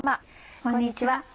こんにちは。